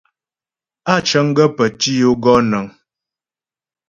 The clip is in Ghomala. Á cəŋ gaə́ pə́ tǐ yo gɔ nəŋ.